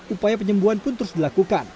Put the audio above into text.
upaya penyembuhan pun terus dilakukan